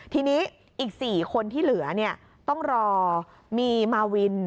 ทีนี้อีก๔คนที่เหลือต้องรอมีมาวิน